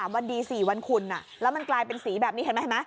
วันดี๔วันคุณแล้วมันกลายเป็นสีแบบนี้เห็นไหมเห็นไหม